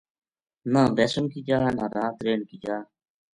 نہ بیسن کی جا نہ رات رہن کی جا